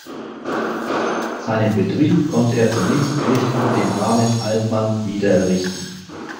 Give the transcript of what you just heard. Seinen Betrieb konnte er zunächst nicht unter dem Namen Altmann wiedererrichten.